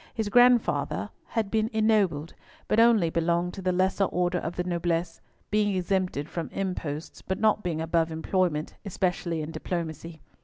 His grandfather bad been ennobled, but only belonged to the lesser order of the noblesse, being exempted from imposts, but not being above employment, especially in diplomacy.